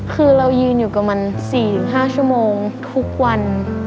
คือเรายืนอยู่กับมัน๔๕ชั่วโมงทุกวัน